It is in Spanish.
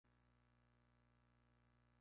Gard., Ann.